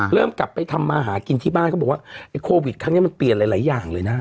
เริ่มกลับไปทำมาหากินที่บ้านเขาบอกว่าไอ้โควิดครั้งนี้มันเปลี่ยนหลายอย่างเลยนะ